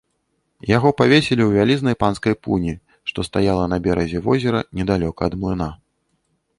Яго павесілі ў вялізнай панскай пуні, што стаяла на беразе возера, недалёка ад млына.